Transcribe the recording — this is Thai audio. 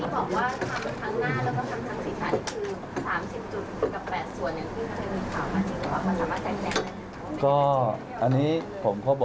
ขอบคุณพี่ด้วยนะครับ